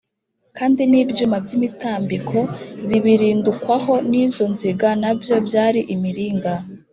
kandi n’ibyuma by’imitambiko bibirindukwaho n’izo nziga na byo byari imiringa